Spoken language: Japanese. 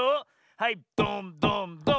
はいドンドンドーン。